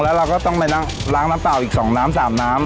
แล้วเราก็ต้องไปล้างน้ำเปล่าอีก๒น้ำ๓น้ำ